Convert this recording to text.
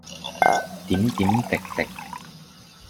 點點滴滴。